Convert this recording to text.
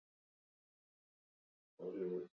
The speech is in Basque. Gainera, kolore fluoreszenteak ere modan egongo dira.